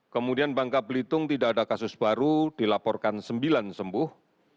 kemudian bangka belitung tidak ada kasus baru dilaporkan sembilan sembuh